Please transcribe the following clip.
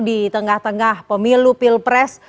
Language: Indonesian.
di tengah tengah pemilu pilpres